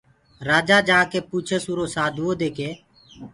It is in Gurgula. راجآ جآڪي پوٚڇس اُرو سآڌوٚئودي ڪي